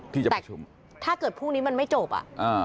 แต่ถ้าเกิดพรุ่งนี้มันไม่จบอะ